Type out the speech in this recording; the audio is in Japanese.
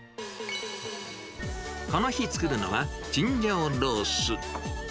この日作るのは、チンジャオロース。